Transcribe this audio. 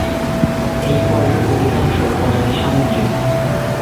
এই পর্বের অধিকাংশ প্রজাতি সামুদ্রিক।